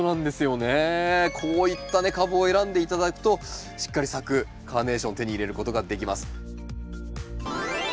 こういった株を選んで頂くとしっかり咲くカーネーションを手に入れることができます。